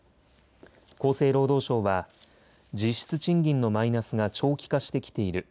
厚生労働省は実質賃金のマイナスが長期化してきている。